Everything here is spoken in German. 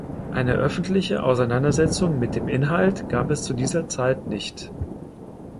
Eine öffentliche Auseinandersetzung mit dem Inhalt gab es zu dieser Zeit nicht.